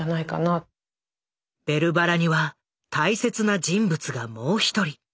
「ベルばら」には大切な人物がもう一人。